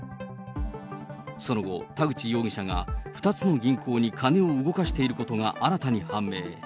その後、田口容疑者が２つの銀行に金を動かしていることが新たに判明。